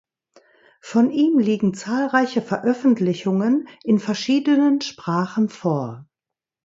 Von ihm liegen zahlreiche Veröffentlichungen in verschiedenen Sprachen vor.